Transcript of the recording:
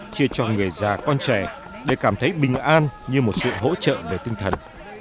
chia cho người già con trẻ để cảm thấy bình an như một sự hỗ trợ về tinh thần